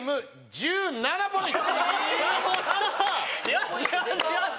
よしよしよし！